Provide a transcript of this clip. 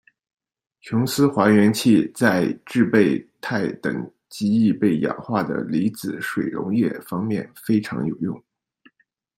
琼斯还原器在制备钛等极易被氧化的离子水溶液方面非常有用。